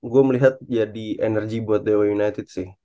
gue melihat jadi energi buat dewa united sih